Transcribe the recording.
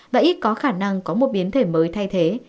và ít có khả năng có một biến thể mới thay thế